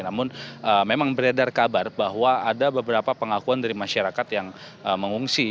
namun memang beredar kabar bahwa ada beberapa pengakuan dari masyarakat yang mengungsi